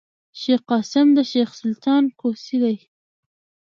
شېخ قاسم د شېخ سلطان کوسی دﺉ.